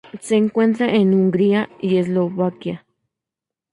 Se encuentra en Hungría y Eslovaquia.